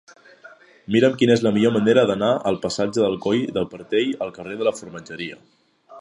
Mira'm quina és la millor manera d'anar del passatge del Coll del Portell al carrer de la Formatgeria.